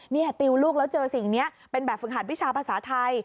นี่ติวลูกแล้วเจอสิ่งนี้เป็นแบบฝึกหัดวิชาภาษาไทย